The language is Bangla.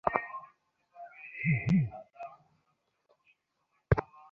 উদয়াদিত্য ভীত হইয়া ডাকিলেন, সুরমা।